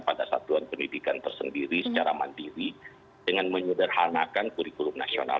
pada satuan pendidikan tersendiri secara mandiri dengan menyederhanakan kurikulum nasional